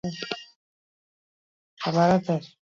Epaileek baliabide gehiago exijitzen dituzte.